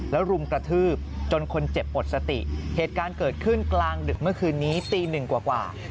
แล้วรุมกระทืบจนคนเจ็บหมดสติเหตุการณ์เกิดขึ้นกลางดึกเมื่อคืนนี้ตีหนึ่งกว่า